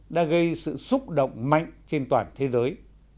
đã gây sự xúc động mạnh trên toàn thế giới